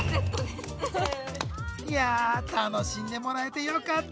いや楽しんでもらえてよかった。